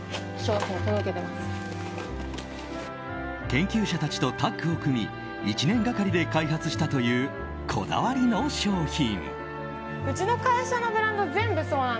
研究者たちとタッグを組み１年がかりで開発したというこだわりの商品。